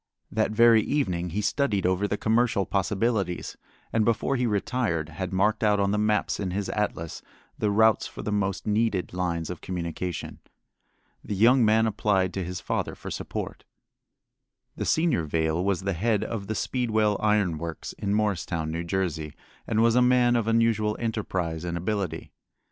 That very evening he studied over the commercial possibilities, and before he retired had marked out on the maps in his atlas the routes for the most needed lines of communication. The young man applied to his father for support. The senior Vail was the head of the Speedwell Iron Works at Morristown, New Jersey, and was a man of unusual enterprise and ability.